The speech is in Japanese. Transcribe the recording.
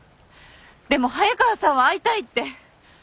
でも早川さんは会いたいって。